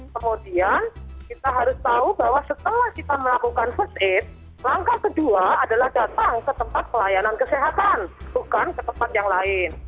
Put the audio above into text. kemudian kita harus tahu bahwa setelah kita melakukan first aid langkah kedua adalah datang ke tempat pelayanan kesehatan bukan ke tempat yang lain